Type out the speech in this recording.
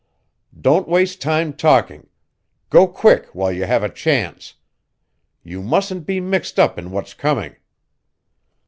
Don't waste time talking go quick while you have a chance. You mustn't be mixed up in what's coming."